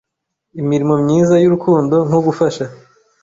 mirimo myiza y urukundo nko gufasha